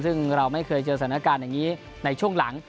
ซึ่งเราไม่เคยเจอสถานการณ์อย่างนี้ในช่วงหลัง